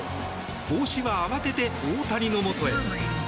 帽子は慌てて大谷のもとへ。